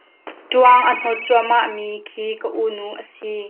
Ṭuang a hnawt cuahmah mi khi ka u nu a si.